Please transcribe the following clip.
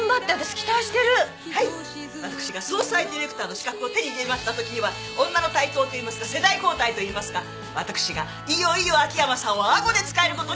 私が葬祭ディレクターの資格を手に入れましたときには女の台頭といいますか世代交代といいますか私がいよいよ秋山さんをあごで使えることになるのです。